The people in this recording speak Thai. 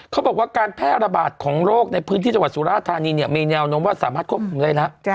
เขาบอกว่าการแพร่ระบาดของโรคในพื้นที่จังหวัดสุราธานีเนี่ยมีแนวโน้มว่าสามารถควบคุมได้แล้ว